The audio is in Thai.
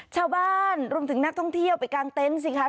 ชาวบ้านรวมถึงนักท่องเที่ยวไปกางเต้นสิค่ะ